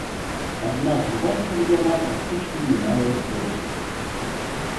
Аднак з бацькам яна практычна не мае зносін.